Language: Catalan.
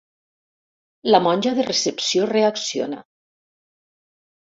La monja de recepció reacciona.